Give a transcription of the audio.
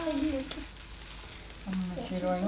面白いな。